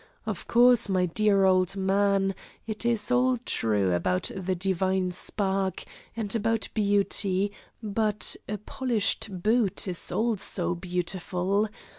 Of course, my dear old man, it is all true about the divine spark and about beauty, but a polished boot is also beautiful.